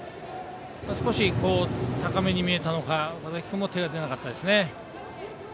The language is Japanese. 少し高めに見えたのか岡崎君も手が出なかったですね。